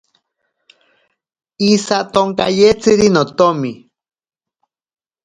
Isatonkayetziri notomi.